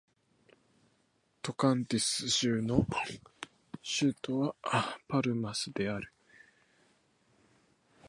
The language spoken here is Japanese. トカンティンス州の州都はパルマスである